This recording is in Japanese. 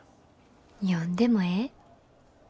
読んでもええ？